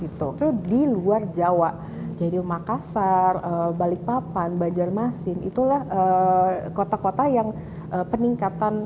itu di luar jawa jadi makassar balikpapan banjarmasin itulah kota kota yang peningkatan